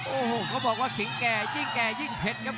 โอ้โหเขาบอกว่าสิงแก่ยิ่งแก่ยิ่งเพชรครับ